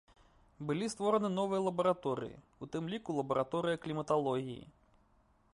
Былі створаны новыя лабараторыі, у тым ліку лабараторыя кліматалогіі.